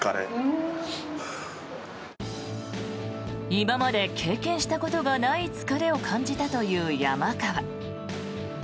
今まで経験したことがない疲れを感じたという山川。